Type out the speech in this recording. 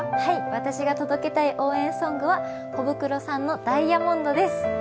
私が届けたい応援ソングはコブクロさんの「ダイヤモンド」です。